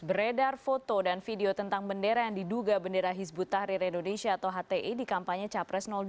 beredar foto dan video tentang bendera yang diduga bendera hizbut tahrir indonesia atau hti di kampanye capres dua